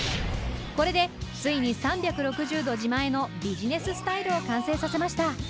これでついに３６０度自前のビジネススタイルを完成させました。